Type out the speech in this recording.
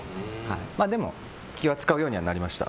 でも、気を遣うようになりました。